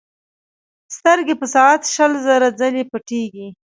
سترګې په ساعت شل زره ځلې پټېږي.